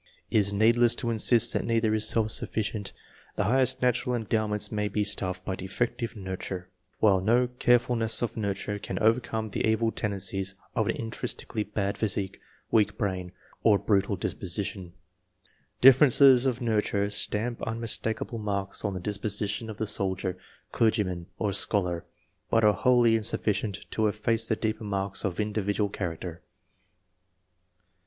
It is needless to insist that neither is sclf suflScient ; I.] ANTECEDENTS. i:j the highest natural endowments may be starved by defective nurture, while no carefulness of nurture can overcome the evil tendencies of an intrinsically bad physique, weak brain, or brutal disposition. Differences of nurture stamp un mistakable marks on the disposition of the soldier, clergyman, or scholar, but are wholly in suflficient to efface the deeper marks of individual character.